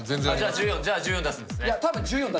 じゃ１４出すんですね。